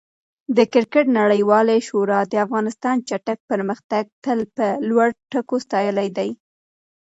د کرکټ نړیوالې شورا د افغانستان چټک پرمختګ تل په لوړو ټکو ستایلی دی.